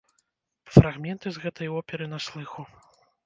Фрагменты з гэтай оперы на слыху.